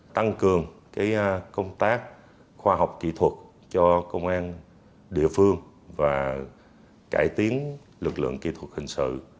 tăng cường công tác khoa học kỹ thuật cho công an địa phương và cải tiến lực lượng kỹ thuật hình sự